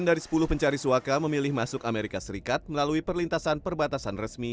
sembilan dari sepuluh pencari suaka memilih masuk amerika serikat melalui perlintasan perbatasan resmi